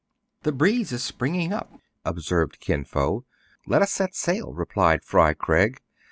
The breeze is springing up," observed Kin Fo. Let us set sail," replied Fry Craig.